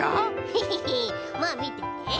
ヘヘヘまあみてて。